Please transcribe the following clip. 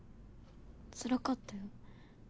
つらかったよ。